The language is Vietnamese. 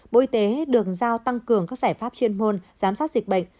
bộ y tế được giao tăng cường các giải pháp chuyên môn giám sát dịch bệnh